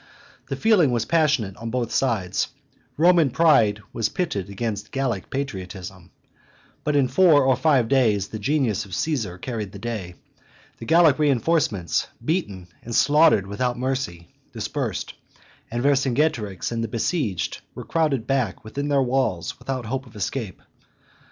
The feeling was passionate on both sides: Roman pride was pitted against Gallic patriotism. But in four or five days the strong organization, the disciplined valor of the Roman legions, and the genius of Caesar carried the day. The Gallic re enforcements, beaten and slaughtered without mercy, dispersed; and Vercingetorix and the besieged were crowded back within their walls without hope of escape.